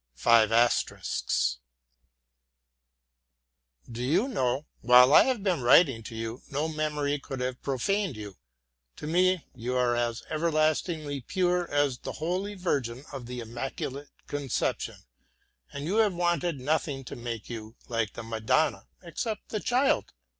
Do you know, while I have been writing to you, no memory could have profaned you; to me you are as everlastingly pure as the Holy Virgin of the Immaculate Conception, and you have wanted nothing to make you like the Madonna except the Child.